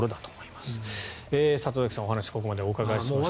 里崎さん、お話をここまでお伺いしました。